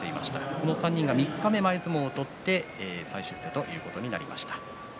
この３人が三日目前相撲を取って再出世ということになりました。